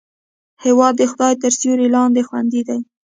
هېواد د خدای تر سیوري لاندې خوندي دی.